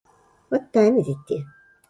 What time is it there?